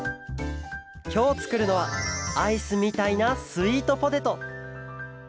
きょうつくるのはアイスみたいなスイートポテト。